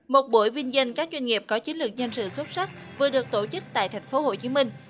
một buổi viên dân các chuyên nghiệp có chiến lược nhân sự xuất sắc vừa được tổ chức tại tp hcm